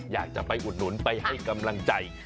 อยากจะไปอุดหนุนไปให้กำลังใจ